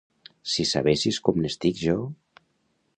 —Si sabessis com n'estic jo…